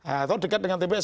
atau dekat dengan tps